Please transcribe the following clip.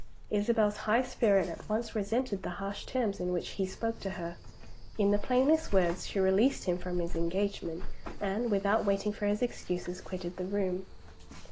Isabel's high spirit at once resented the harsh terms in which he spoke to her. In the plainest words, she released him from his engagement, and, without waiting for his excuses, quitted the room.